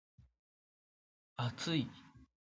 厚い